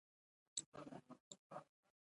طبیعي زیرمې د افغان ځوانانو د هیلو استازیتوب کوي.